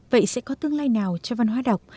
vậy sẽ có tương lai nào cho văn hóa đọc